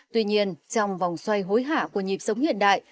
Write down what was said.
tuy nhiên trong vòng xoay hối hạ của nhịp sống hiện đại